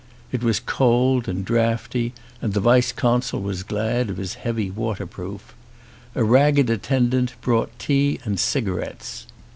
It was cold and draughty and the vice consul was glad of his heavy waterproof. A rag ged attendant brought tea and cigarettes.